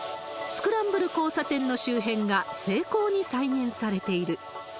スクランブル交差点の周辺が精巧に再現されている。